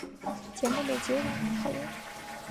节目每集有两个考验。